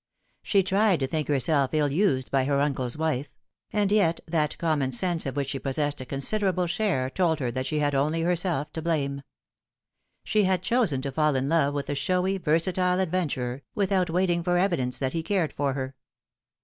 She tried to think herself ill used by her uncle's wife ; and yet that common sense of which she possessed a considerable share told her that she had only herself to blame. She had chosen to fall in love with a showy, versatile adventurer, without waiting for evidence that he cared for her.